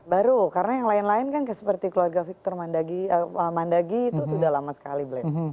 baru karena yang lain lain kan seperti keluarga victor mandagi itu sudah lama sekali blend